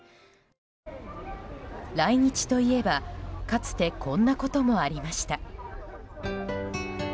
来日といえば、かつてこんなこともありました。